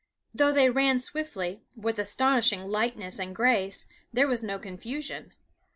Though they ran swiftly, with astonishing lightness and grace, there was no confusion.